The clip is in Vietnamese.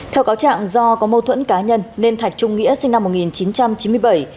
theo cáo trạng do có mâu thuẫn cá nhân nên thạch trung nghĩa sinh năm một nghìn chín trăm chín mươi bảy